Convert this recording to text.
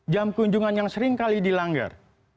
jam kunjungan yang sering kali dilanggar